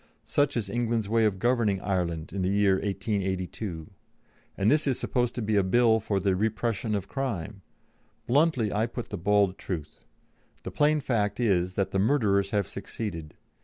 Such is England's way of governing Ireland in the year 1882. And this is supposed to be a Bill for the 'repression of crime.'" Bluntly, I put the bald truth: "The plain fact is that the murderers have succeeded.